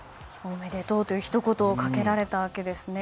おめでとうとひと言をかけられたわけですね。